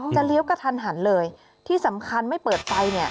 เลี้ยวกระทันหันเลยที่สำคัญไม่เปิดไฟเนี่ย